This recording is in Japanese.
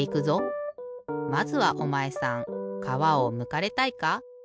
まずはおまえさんかわをむかれたいか？